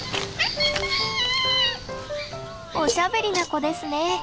おしゃべりな子ですね。